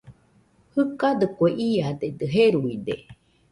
Jɨkadɨkue, iadedɨ jeruide